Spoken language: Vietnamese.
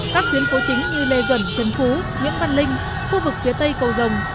các tuyến phố chính như lê duẩn trần phú nguyễn văn linh khu vực phía tây cầu rồng